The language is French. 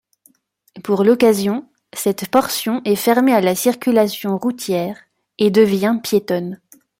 Pour l'occasion, cette portion est fermée à la circulation routière et devient piétonne.